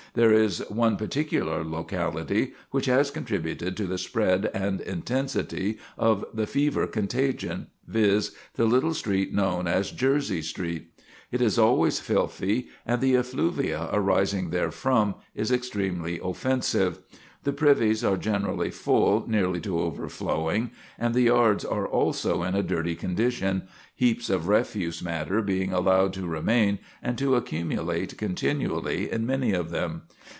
There is one particular locality which has contributed to the spread and intensity of the fever contagion, viz.: the little street known as Jersey Street. It is always filthy, and the effluvia arising therefrom is extremely offensive. The privies are generally full nearly to overflowing, and the yards are also in a dirty condition, heaps of refuse matter being allowed to remain and to accumulate continually in many of them.